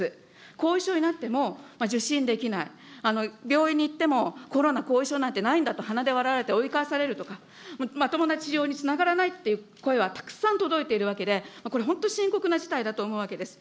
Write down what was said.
後遺症になっても受診できない、病院に行ってもコロナ後遺症なんてないんだと鼻で笑われて追いかえされるとか、まともな治療につながらないといった声がたくさん届いているわけで、これ本当、深刻な事態だと思うわけです。